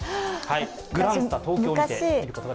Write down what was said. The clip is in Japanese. グランスタ東京にて。